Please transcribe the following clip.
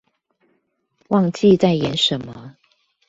忘記在演什麼